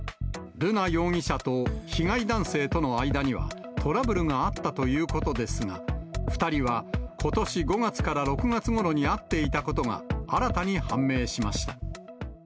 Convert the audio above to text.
瑠奈容疑者と被害男性との間にはトラブルがあったということですが、２人はことし５月から６月ごろに会っていたことが新たに判明しました。